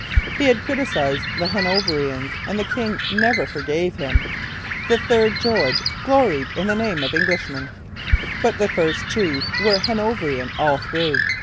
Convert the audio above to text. He had criticized the Hanoverians; and the king never forgave him. The third George 'gloried in the name of Englishman.' But the first two were Hanoverian all through.